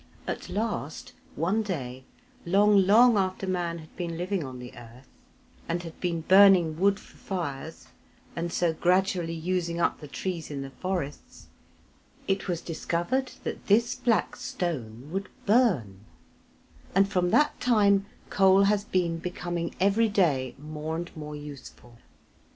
At last, one day, long, long after man had been living on the earth, and had been burning wood for fires, and so gradually using up the trees in the forests, it was discovered that this black stone would burn, and from that time coal has been becoming every day more and more useful.